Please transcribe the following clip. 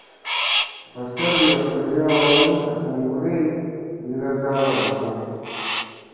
Abasabye bakolere awamu batumbule embeera z'abantu